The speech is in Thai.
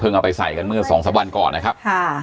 เอาไปใส่กันเมื่อสองสามวันก่อนนะครับค่ะ